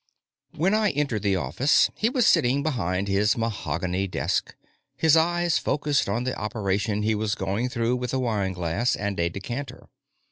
When I entered the office, he was sitting behind his mahogany desk, his eyes focused on the operation he was going through with a wineglass and a decanter.